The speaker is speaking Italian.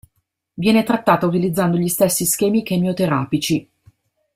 Viene trattata utilizzando gli stessi schemi chemioterapici.